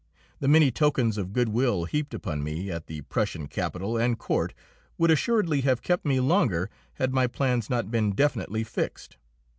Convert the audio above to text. The many tokens of good will heaped upon me at the Prussian capital and court would assuredly have kept me longer had my plans not been definitely fixed.